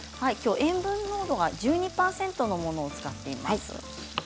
塩分濃度が１２％のものを使っています。